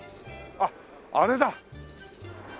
あっあれだ。